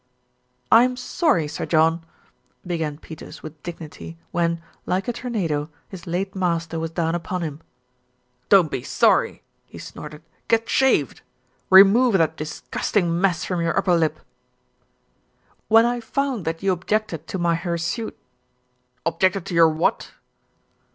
"I'm sorry, Sir John " began Peters with dignity when, like a tornado, his late master was down upon him. "Don't be sorry!" he snorted. "Get shaved! Re move that disgusting mess from your upper lip." "When I found that you objected to my hirsute " "Objected to your what?"